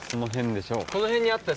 この辺にあったよ